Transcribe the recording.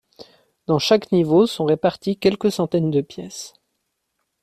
Dans chaque niveau sont répartis quelques centaines de pièces.